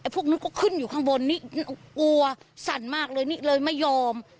พวกนั้นก็ขึ้นอยู่ข้างบนนี่กลัวสั่นมากเลยนี่เลยไม่ยอม